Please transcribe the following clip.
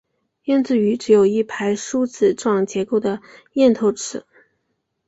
胭脂鱼只有一排梳子状结构的咽头齿。